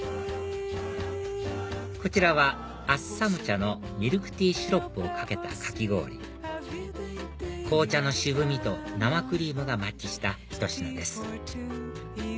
こちらはアッサム茶のミルクティーシロップをかけたかき氷紅茶の渋みと生クリームがマッチしたひと品です